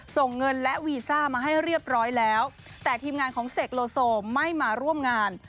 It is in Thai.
ส่งเงินและวีซ่ามาให้เรียบร้อยแล้วแต่ทีมงานของเสกโลโซไม่มาร่วมงาน